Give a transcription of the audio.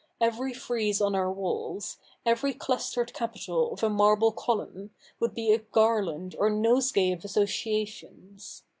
Every frieze on our walls, every clustered capital of a marble column, would be a garland or nosegay of associations.